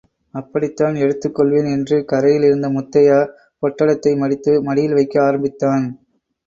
அப்படித்தான் எடுத்துக் கொள்வேன் என்று கரையில இருந்த முத்தையா, பொட்டலத்தை மடித்து, மடியில் வைக்க ஆரம்பித்தான்.